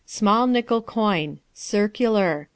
Small nickel coin. Circular.